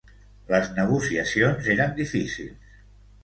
Les negociacions eren difícils.